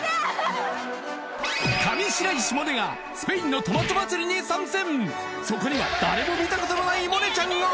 上白石萌音がスペインのトマト祭りに参戦